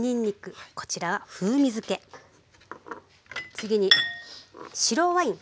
次に白ワイン。